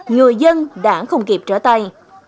người dân đã không kịp trở tay